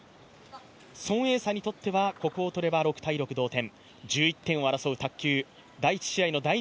孫エイ莎にとってはここを取れば６−６、同点。